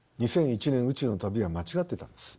「２００１年宇宙の旅」は間違ってたんです。